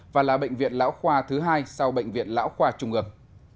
và là bệnh viện lão khoa thứ hai sau bệnh viện lão khoa trung ương